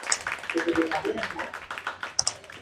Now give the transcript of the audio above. Se formó en las divisiones menores de Alianza Lima.